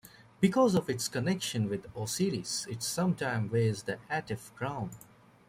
Because of its connection with Osiris, it sometimes wears the atef crown.